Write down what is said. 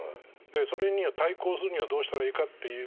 それに対抗するにはどうしたらいいかっていうことで。